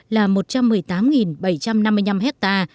là một trăm một mươi tám bảy trăm năm mươi năm ha